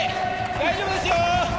大丈夫ですよ！